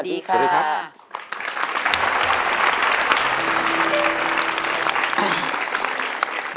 สวัสดีครับ